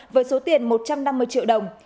với số tiền một trăm năm mươi triệu đồng